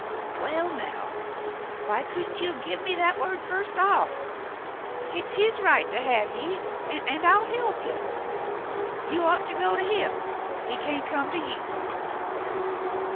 "Waal, now, why couldn't you have give me that word first off ? Hit's his right to have ye, an' I'll he'p ye. You'd ought to go to him if he can't come to you."